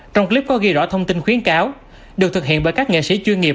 trong clip có ghi rõ thông tin khuyến cáo được thực hiện bởi các nghệ sĩ chuyên nghiệp